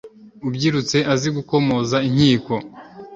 ubyirutse azi gukomoza inkiko